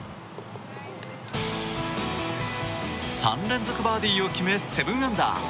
３連続バーディーを決め７アンダー。